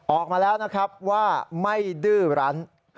ออกมาแล้วนะครับว่าไม่ดื้อรัน